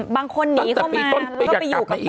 บางคนหนีเข้ามาแล้วก็ไปอยู่กับแฟนอย่างนี้